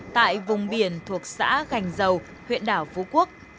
tại vùng biển thuộc xã gành dầu huyện đảo phú quốc